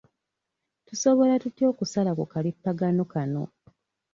Tusobola tutya okusala ku kalippagano kano?